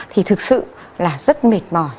thì thực sự là rất mệt mỏi